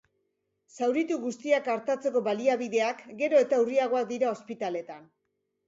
Zauritu guztiak artatzeko baliabideak gero eta urriagoak dira ospitaletan.